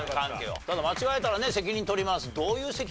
ただ間違えたらね責任取ります。